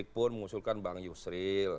pak bebek pun mengusulkan bang yusril